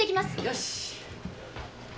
よし。